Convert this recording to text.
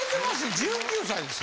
１９歳ですよ。